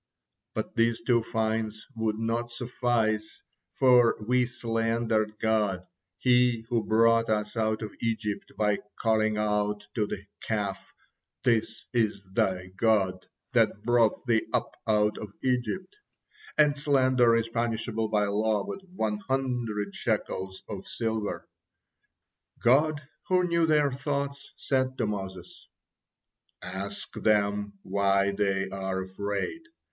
But these two fines would not suffice, for we slandered God, He who brought us out of Egypt, by calling out to the Calf, 'This is thy God, that brought thee up out of Egypt,' and slander is punishable by law with one hundred shekels of silver." God who knew their thoughts, said to Moses: "Ask them why they are afraid.